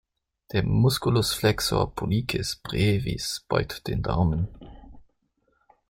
Der Musculus flexor pollicis brevis beugt den Daumen.